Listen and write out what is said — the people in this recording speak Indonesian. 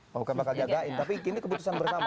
bukan bakal jagain tapi ini keputusan bersama